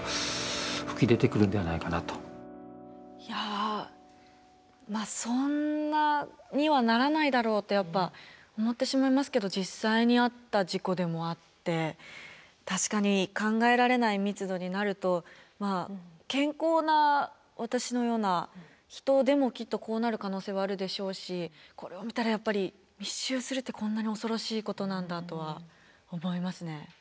いやまあそんなにはならないだろうとやっぱ思ってしまいますけど実際にあった事故でもあって確かに考えられない密度になるとまあ健康な私のような人でもきっとこうなる可能性はあるでしょうしこれを見たらやっぱり密集するってこんなに恐ろしいことなんだとは思いますね。